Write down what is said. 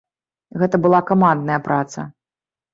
Гэта была камандная праца.